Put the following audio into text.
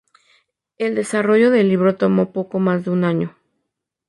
El desarrollo del libro tomó poco más de un año.